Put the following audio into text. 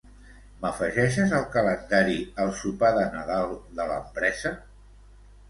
M'afegeixes al calendari el sopar de Nadal de l'empresa?